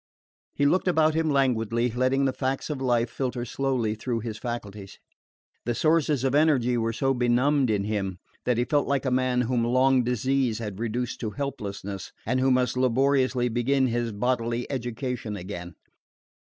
He looked about him languidly, letting the facts of life filter slowly through his faculties. The sources of energy were so benumbed in him that he felt like a man whom long disease had reduced to helplessness and who must laboriously begin his bodily education again.